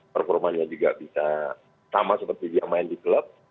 performanya juga bisa sama seperti dia main di klub